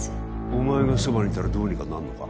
お前がそばにいたらどうにかなるのか？